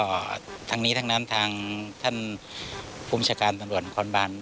ก็ทั้งนี้ทั้งนั้นทางท่านภูมิชาการตำรวจนครบาน